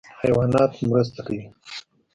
حیوانات مرسته کوي.